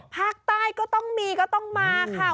ภาคใต้ก็ต้องมีก็ต้องมาค่ะ